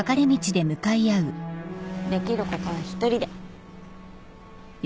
できることは一人で。